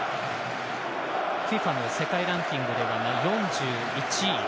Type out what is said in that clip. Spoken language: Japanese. ＦＩＦＡの世界ランキングでは４１位。